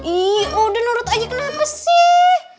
ih udah nurut aja kenapa sih